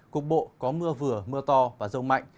cục bộ có mưa vừa mưa to và rông mạnh